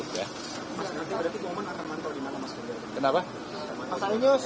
mas gajah ada pengumuman akan mantau dimana mas gajah